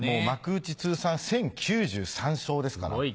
幕内通算１０９３勝ですから。